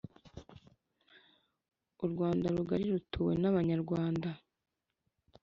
u rwanda rugari rutuwe n'abanyarwanda.